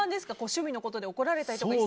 趣味のことで怒られたりとか？